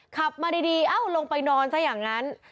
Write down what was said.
ขับมาดีเอ้าลงไปนอนซะอย่างนั้น